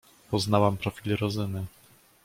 "Poznałam profil Rozyny."